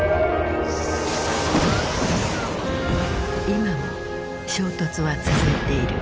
今も衝突は続いている。